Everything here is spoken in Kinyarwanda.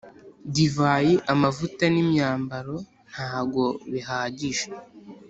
divayi, amavuta, n’imyambaro ntago bihagije